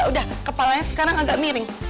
udah kepalanya sekarang agak miring